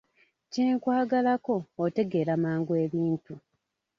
Kyenkwagalako otegeera mangu ebintu!